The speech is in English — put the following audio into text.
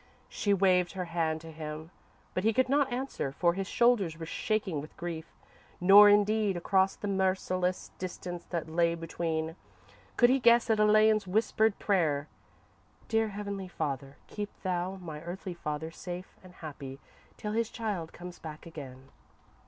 She waved her hand to him, but he could not answer, for his shoulders were shaking with grief, nor, indeed, across the merciless distance that lay between, could he guess at Elaine's whispered prayer: "Dear Heavenly Father, keep thou my earthly father safe and happy, till his child comes back again."